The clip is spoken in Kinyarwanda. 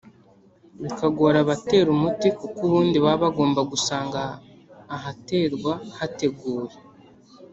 bikagora abatera umuti kuko ubundi baba bagomba gusanga ahaterwa hateguye